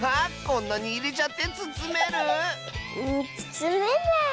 こんなにいれちゃってつつめる⁉つつめない。